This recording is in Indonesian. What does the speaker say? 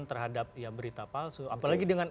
terhadap ya berita palsu apalagi dengan